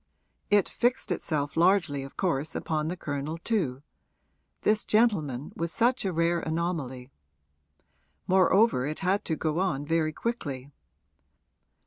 It fixed itself largely of course upon the Colonel too this gentleman was such a rare anomaly. Moreover it had to go on very quickly.